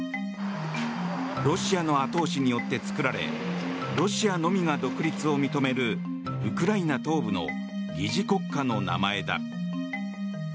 ロシアの後押しによって作られロシアのみが独立を認めるウクライナ東部の疑似国家の名前だ。